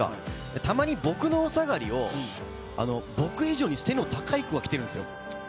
たまに僕のおさがりを僕以上に背の高い子が着てるんですよ。